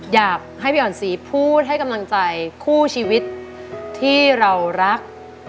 อยากให้พี่อ่อนศรีพูดให้กำลังใจคู่ชีวิตที่เรารัก